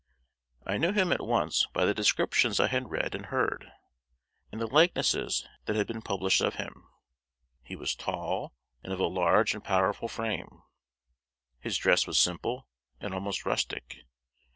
I knew him at once by the descriptions I had read and heard, and the likenesses that had been published of him. He was tall, and of a large and powerful frame. His dress was simple, and almost rustic.